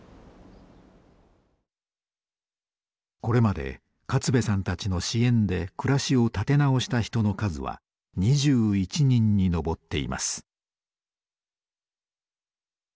これまで勝部さんたちの支援で暮らしを立て直した人の数は２１人に上っています。